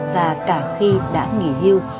và cả khi đã nghỉ hưu